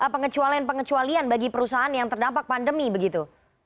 pengecualian pengecualian bagi perusahaan yang terdampak pandemi begitu